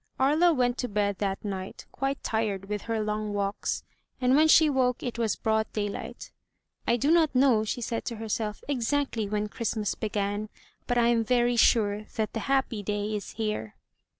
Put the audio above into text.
Aria went to bed that night quite tired with her long walks, and when she woke it was broad daylight. '*I do not know," she said to herself, "exactly when Christmas began, but I am very sure that the happy day is here."